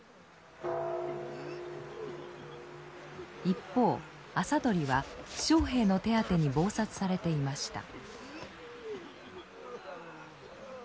一方麻鳥は負傷兵の手当てに忙殺されていました。